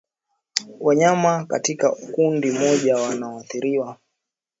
wanyama katika kundi moja wanaoathiriwa